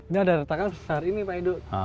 ini ada retakan besar ini pak edo